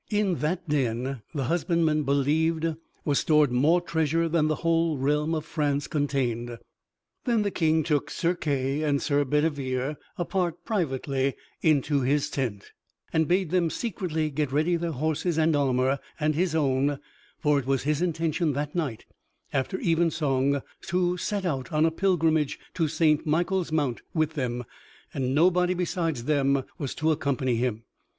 In that den, the husbandman believed, was stored more treasure than the whole realm of France contained. Then the King took Sir Kay and Sir Bedivere apart privately into his tent, and bade them secretly get ready their horses and armor, and his own, for it was his intention that night, after evensong, to set out on a pilgrimage to St. Michael's Mount with them, and nobody besides them was to accompany him.